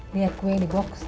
lihat kue di box